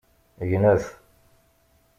Gnet!